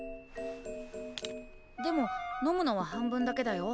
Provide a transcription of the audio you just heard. でも飲むのは半分だけだよ。